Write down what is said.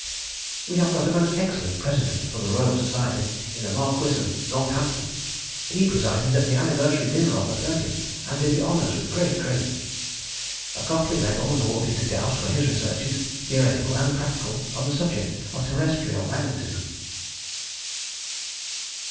We have got a most excellent president for the Royal Society in the Marquis of Northampton. He presided at the anniversary dinner on the 30th, and did the honours with great credit. A Copley Medal was awarded to Gauss for his researches, theoretical and practical, on the subject of terrestrial magnetism.